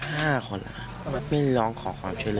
ประมาณ๕คนไม่ร้องขอความช่วยเลย